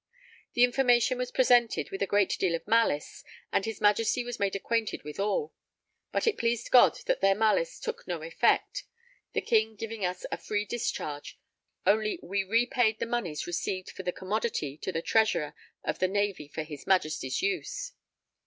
The information was presented with a great deal of malice, and his Majesty was made acquainted withal; but it pleased God that their malice took no effect, the King giving us a free discharge, only we repaid the moneys received for the commodity to the Treasurer of the Navy for his Majesty's use.